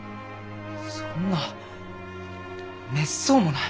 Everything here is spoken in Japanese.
そんなめっそうもない！